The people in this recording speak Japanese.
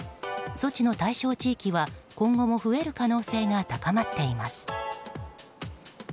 措置の対象地域は今後も増える可能性が高まっています。